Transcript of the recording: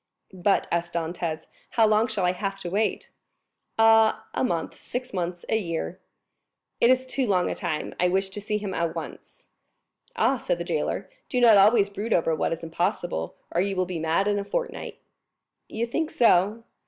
"But," asked Dantès, "how long shall I have to wait?" "Ah, a month—six months—a year." "It is too long a time. I wish to see him at once." "Ah," said the jailer, "do not always brood over what is impossible, or you will be mad in a fortnight." "You think so?"